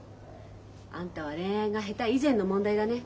あんたは恋愛が下手以前の問題だね。